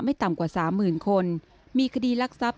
ไม่ต่ำกว่าสามหมื่นคนมีคดีลักษัพ